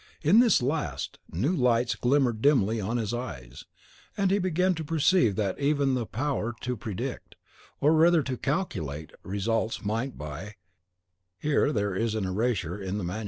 In this last, new lights glimmered dimly on his eyes; and he began to perceive that even the power to predict, or rather to calculate, results, might by (Here there is an erasure in the MS.)